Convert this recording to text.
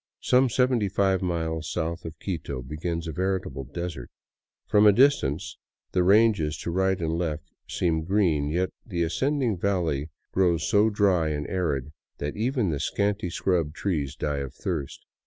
Some seventy five miles south of Quito begins a veritable desert. From a distance the ranges to right and left seem green, yet the ascending valley grows so dry and arid that even the scanty scrub trees die of thirst.